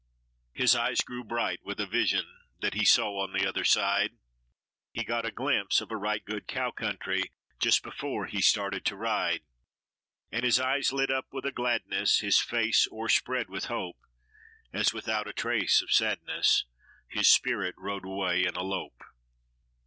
His eyes grew bright with a vision that he saw on the other side, He got a glimpse of a right good cow country, just before he started to ride; And his eyes lit up with a gladness, his face o'erspread with hope, As without a trace of sadness, his spirit rode away in a lope.